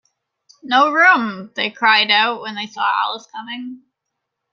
No room!’ they cried out when they saw Alice coming.